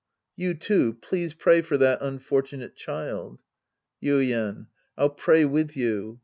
You, too, please pray for that unfortunate child. Yuien. I'll pray with you.